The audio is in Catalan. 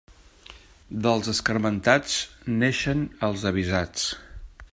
Dels escarmentats naixen els avisats.